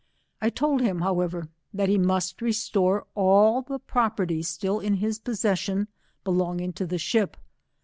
I told him however, that he must restore all the property still in his possesaioD, belongiag to the ehip.